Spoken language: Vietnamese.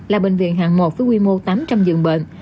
là bệnh viện hàng một với quy mô tám trăm linh dựng bệnh